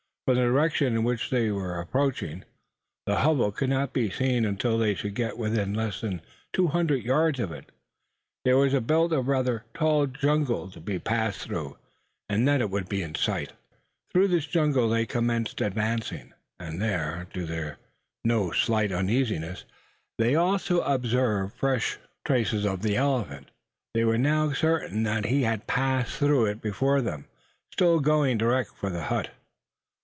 From the direction in which they were approaching, the hovel could not be seen until they should get within less than two hundred yards of it. There was a belt of rather tall jungle to be passed through, and then it would be in sight. Through this jungle they commenced advancing; and there, to their no slight uneasiness, they also observed fresh traces of the elephant. They were now certain that he had passed through it before them, still going direct for the hut.